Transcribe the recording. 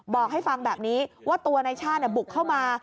บอกให้ฟังแบบนี้ว่าตัวนายชาติบุกเข้ามา